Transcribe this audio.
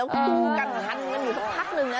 มันอยู่ทั้งพักหนึ่ง